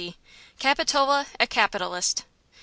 CAPITOLA A CAPITALIST.